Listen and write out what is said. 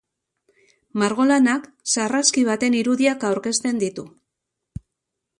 Margolanak sarraski baten irudiak aurkezten ditu.